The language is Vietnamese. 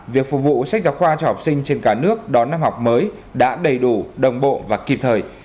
việc phục vụ sách giáo khoa cho học sinh trên cả nước đón năm học mới đã đầy đủ đồng bộ và kịp thời